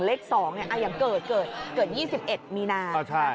เลข๒อ่ะยังเกิด๒๑มีนาน